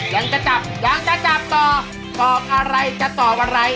ยังจะจับยังจะจับต่อตอบอะไรจะตอบอะไร